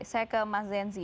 saya ke mas zain